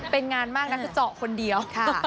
เป็นงานมากนะคือเจาะคนเดียว